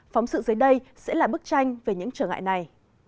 phóng sự dưới đây sẽ là bức tranh về những trở ngại này